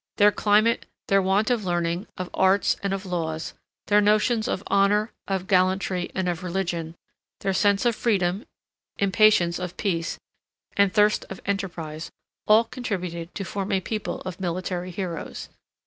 Their climate, their want of learning, of arts, and of laws, their notions of honor, of gallantry, and of religion, their sense of freedom, impatience of peace, and thirst of enterprise, all contributed to form a people of military heroes.